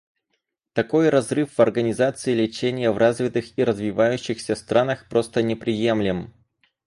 Такой разрыв в организации лечения в развитых и развивающихся странах просто неприемлем.